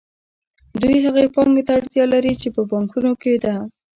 دوی هغې پانګې ته اړتیا لري چې په بانکونو کې ده